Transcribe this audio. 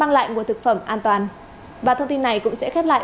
ảnh vi phi phạm và trạng thái xử lý